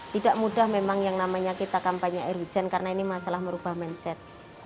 tidak mudah memang yang namanya kita kampanye air hujan karena ini masalah merubah mindset